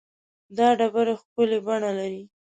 دا ډبرې ښکلې بڼه لري.